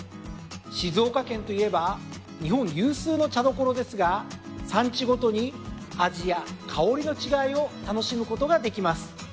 静岡県といえば日本有数の茶所ですが産地ごとに味や香りの違いを楽しむことができます。